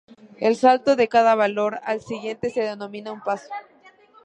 El salto de cada valor al siguiente se denomina un paso.